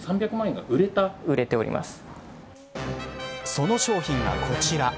その商品がこちら。